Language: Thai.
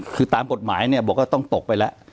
คือตามกฎหมายเนี่ยบอกว่าต้องตกไปแล้ว